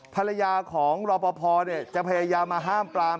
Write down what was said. ภรรยาของรอปภจะพยายามมาห้ามปลาม